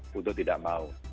betul tidak mau